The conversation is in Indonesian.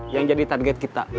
yang jadi target kita